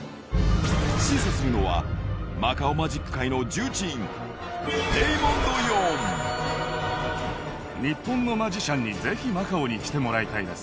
審査するのは、マカオマジック界の重鎮、日本のマジシャンにぜひマカオに来てもらいたいです。